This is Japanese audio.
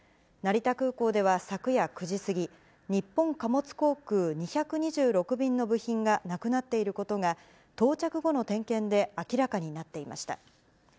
成田空港では、昨夜９時過ぎ、日本貨物航空２２６便の部品がなくなっていることが、到着後の点検で明らかになっていました。